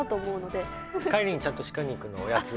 帰りにちゃんと鹿肉のおやつを。